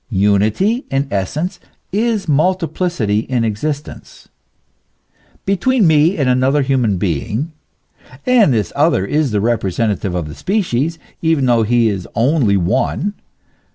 Unity in essence is multiplicity in existence. Be tween me and another human being and this other is the representative of the species, even though he is only one, for CHRISTIANITY AND HEATHENISM.